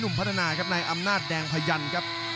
หนุ่มพัฒนาในอำนาจแดงพยันครับ